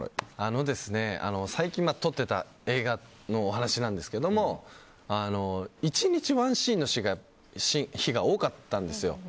最近、撮っていた映画の話なんですけど１日１シーンの日が多かったんですよ。